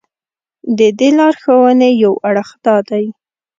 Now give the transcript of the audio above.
د دې لارښوونې یو اړخ دا دی.